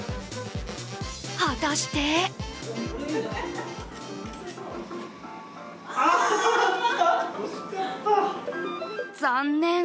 果たして残念！